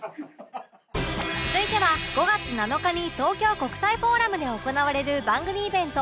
続いては５月７日に東京国際フォーラムで行われる番組イベント